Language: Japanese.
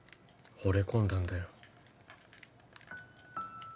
ほれ込んだんだよ。